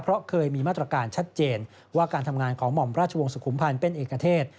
เพราะเคยมีมาตรการชัดเจนว่าการทำงานของหม่อมราชวงศ์สุขุมพันธ์เป็นเอกเทศ